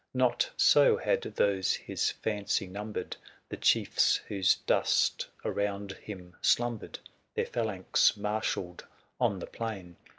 Not so had those his fancy numbered, The chiefs whose dust around him slumbered; Their phalanx marshalled on the plain.